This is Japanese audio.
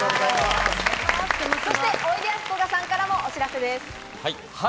そして、おいでやすこがさんからもお知らせです。